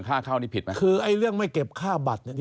ค่าเข้านี่ผิดไหมคือไอ้เรื่องไม่เก็บค่าบัตรเนี่ย